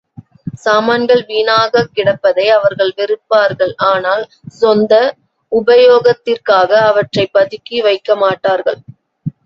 சாமான்கள் வீணாகக் கிடப்பதை அவர்கள் வெறுப்பார்கள் ஆனால், சொந்த உபயோகத்திற்காக அவற்றைப் பதுக்கி வைக்கமாட்டார் கள்.